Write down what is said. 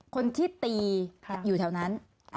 คนที่ตีอยู่แถวนั้น